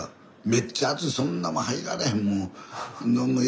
めっちゃ熱いそんなもん入られへん。